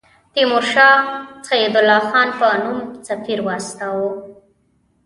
تیمورشاه سعدالله خان په نوم سفیر واستاوه.